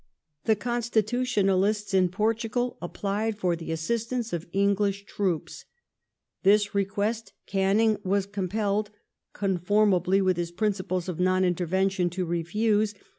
The Constitutionalists in Portugal applied for the assistance of English troops. This request Canning was compelled, conformably with his principles of non intervention, to refuse.